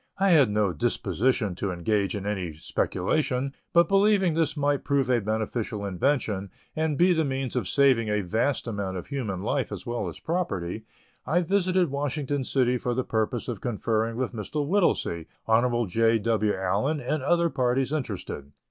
I had no disposition to engage in any speculation; but, believing this might prove a beneficent invention, and be the means of saving a vast amount of human life as well as property, I visited Washington City for the purpose of conferring with Mr. Whittlesey, Hon. J. W. Allen and other parties interested.